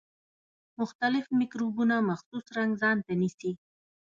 مختلف مکروبونه مخصوص رنګ ځانته نیسي.